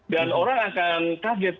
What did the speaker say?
dan orang akan kaget